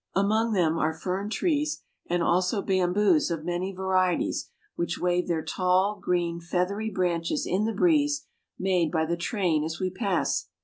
Among them are fern trees, and also bamboos of many varieties, which wave their tall, green, feathery branches in the breeze made by the train as we pass.